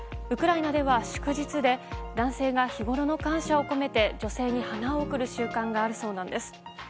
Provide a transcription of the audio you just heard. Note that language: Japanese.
ウクライナでは祝日で男性が日ごろの感謝を込めて女性に花を贈る習慣があるそうなんです。